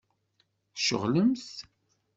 Tceɣlemt?